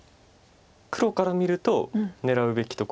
黒から見ると狙うべきところです。